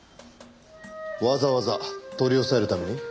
わざわざ取り押さえるために？